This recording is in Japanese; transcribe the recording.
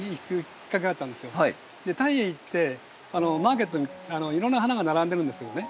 タイへ行ってマーケットにいろんな花が並んでるんですけどね